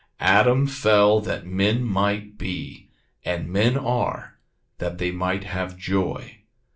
2:25 Adam fell that men might be; and men are, that they might have joy.